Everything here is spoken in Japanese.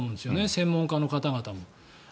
専門家の方々も。